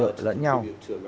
tự trợ lẫn nhau